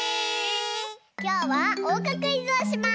きょうはおうかクイズをします！